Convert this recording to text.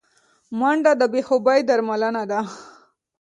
منډه د بې خوبي درملنه ده